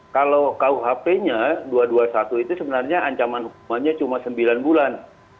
kalau kuhp nya dua ratus dua puluh satu itu sebenarnya ancaman hukumannya cuma sembilan bulan